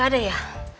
gak ada ya